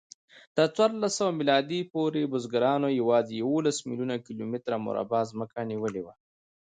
تر څوارلسسوه میلادي پورې بزګرانو یواځې یوولس میلیونه کیلومتره مربع ځمکه نیولې وه.